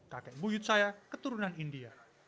kakek buyut saya keturunan india